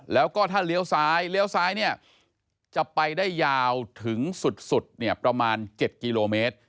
แล้วก็ถ้าเลี้ยวซ้ายเลี้ยวซ้ายเนี่ยจะไปได้ยาวถึงสุดเนี่ยประมาณ๗กิโลเมตร